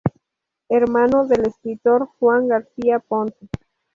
Hermano del escritor Juan García Ponce.